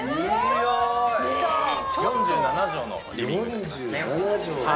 ４７畳のリビングになりますね。